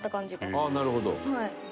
ああなるほど。